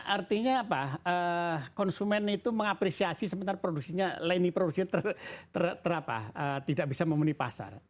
artinya konsumen itu mengapresiasi sementara lainnya produksinya tidak bisa memenuhi pasar